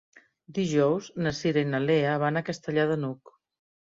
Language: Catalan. Dijous na Cira i na Lea van a Castellar de n'Hug.